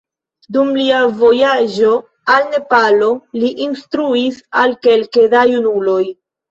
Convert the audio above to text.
Dum lia vojaĝo al Nepalo, li instruis al kelke da junuloj.